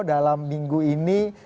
dalam minggu ini